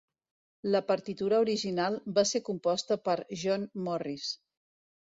La partitura original va ser composta per John Morris.